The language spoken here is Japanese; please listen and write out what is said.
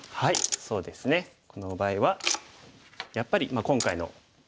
そうですねこの場合はやっぱり今回のテーマですよね。